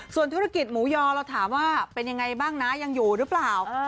ส่วนธุรกิจหมูยอเราถามว่าเป็นยังไงบ้างนะยังอยู่หรือเปล่า